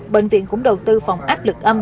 bệnh viện cũng đầu tư phòng áp lực âm